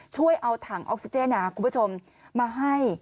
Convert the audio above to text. ช่วยเอาถังออกซิเจนคุณผู้ชมมาให้